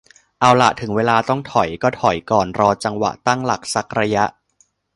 เอาล่ะ ถึงเวลาต้องถอยก็ถอยก่อน รอจังหวะตั้งหลักสักระยะ